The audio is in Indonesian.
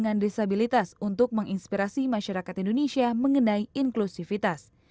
para pemuda dengan disabilitas untuk menginspirasi masyarakat indonesia mengenai inklusivitas